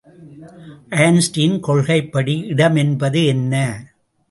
Einstein கொள்கைப்படி இடம் என்பது என்ன?